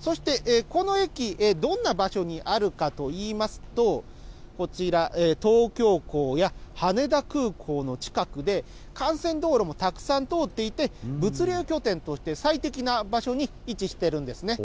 そしてこの駅、どんな場所にあるかといいますと、こちら、東京港や羽田空港の近くで、幹線道路もたくさん通っていて、物流拠点として最適な場所に位置してるんですね。